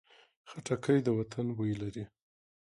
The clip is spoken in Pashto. خټکی د وطن بوی لري.